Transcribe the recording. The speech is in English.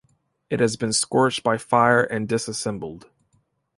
It has been scorched by fire and disassembled.